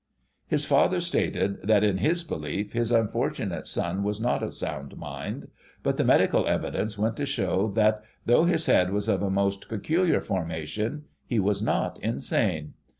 His father stated that, in his belief, his unfortunate son was not of sound mind ; but the medical evidence went to show that, though his head was of a most peculiar formation, he was not insane.